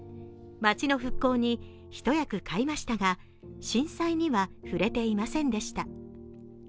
町の復興に一役買いましたが、震災には触れていませんでした。